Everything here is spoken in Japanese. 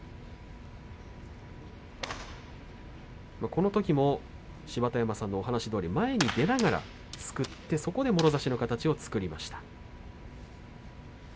このときも芝田山さんのお話どおり前に出ながらすくって、そこでもろ差しの形を作りました。